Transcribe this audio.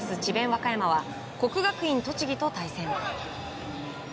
和歌山は国学院栃木と対戦。